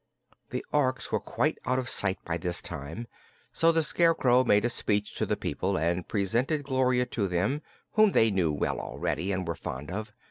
The Orks were quite out of sight by this time, so the Scarecrow made a speech to the people and presented Gloria to them, whom they knew well already and were fond of.